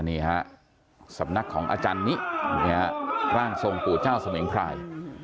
นี่ฮะสำนักของอาจารย์นี้ร่างทรงปู่เจ้าสมิงพราย